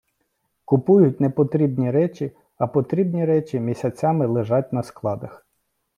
Купують непотрібні речі, а потрібні речі місяцями лежать на складах.